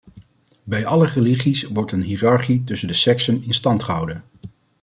Bij alle religies wordt een hiërarchie tussen de seksen in stand gehouden.